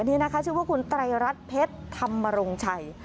นี่นะคะชื่อว่าคุณไตรรัฐเพชรธรรมรงชัย